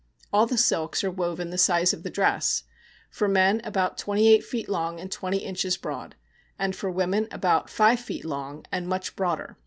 All the silks are woven the size of the dress: for men, about twenty eight feet long and twenty inches broad; and for women, about five feet long and much broader.